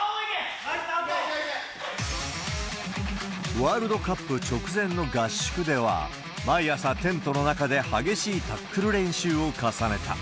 ワールドカップ直前の合宿では、毎朝、テントの中で激しいタックル練習を重ねた。